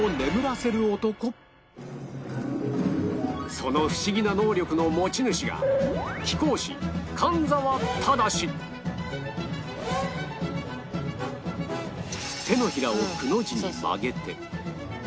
そのフシギな能力の持ち主が手のひらをくの字に曲げて